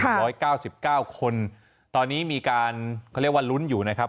ร้อยเก้าสิบเก้าคนตอนนี้มีการเขาเรียกว่าลุ้นอยู่นะครับ